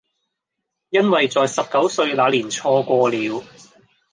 因為在十九歲那年錯過了